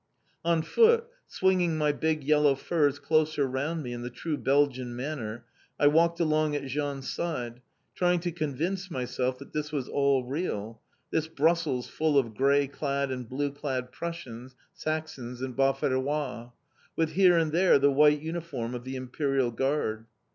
On foot, swinging my big yellow furs closer round me in the true Belgian manner, I walked along at Jean's side, trying to convince myself that this was all real, this Brussels full of grey clad and blue clad Prussians, Saxons, and Baverois, with here and there the white uniform of the Imperial Guard.